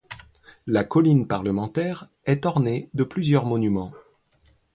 La Colline parlementaire est ornée de plusieurs monuments.